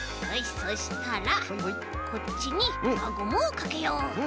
そしたらこっちにわゴムをかけよう！